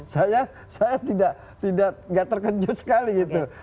saya tidak terkejut sekali gitu